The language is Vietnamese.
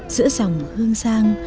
giữa dòng hương giang